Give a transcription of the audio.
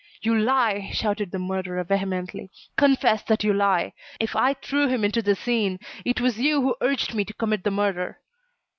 "You lie!" shouted the murderer vehemently, "confess that you lie. If I threw him into the Seine, it was you who urged me to commit the murder."